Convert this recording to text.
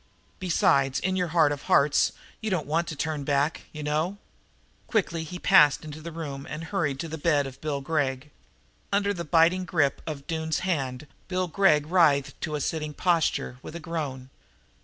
Besides, in your heart of hearts, you don't want to turn back, you know!" Quickly he passed into the room and hurried to the bed of Bill Gregg. Under the biting grip of Doone's hand Bill Gregg writhed to a sitting posture, with a groan.